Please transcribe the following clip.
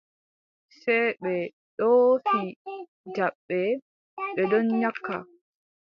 Sey ɓe ɗoofi jabbe, ɓe ɗon nyakka.